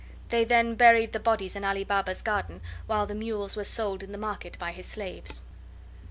They then buried the bodies in Ali Baba's garden, while the mules were sold in the market by his slaves.